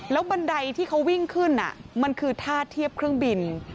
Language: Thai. บันไดที่เขาวิ่งขึ้นมันคือท่าเทียบเครื่องบิน